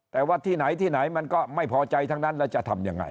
แต่ว่าที่ไหนที่ไหนมันก็ไม่พอใจทั้งนั้นแล้วจะทำยังไง